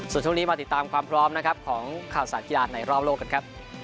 ส่วนช่วงนี้มาติดตามความพร้อมนะครับของข่าวสารกีฬาในรอบโลกกันครับ